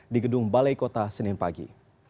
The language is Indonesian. di gedung balai kota senin pagi